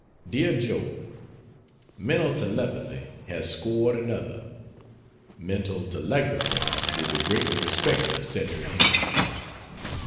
DEAR JOE, Mental Telepathy has scored another. Mental Telegraphy will be greatly respected a century hence.